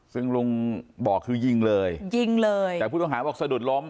ซึ่งลุงบอกคือยิงเลยยิงเลยแต่ผู้ต้องหาบอกสะดุดล้ม